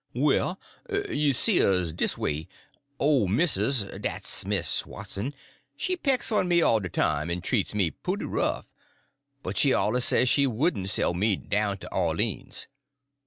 "Well, you see, it 'uz dis way. Ole missus—dat's Miss Watson—she pecks on me all de time, en treats me pooty rough, but she awluz said she wouldn' sell me down to Orleans.